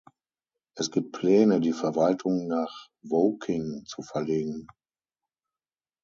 Es gibt Pläne, die Verwaltung nach Woking zu verlegen.